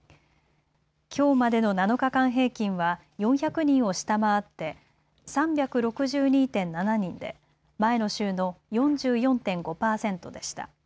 きょうまでの７日間平均は４００人を下回って３６２．７人で前の週の４４．５％でした。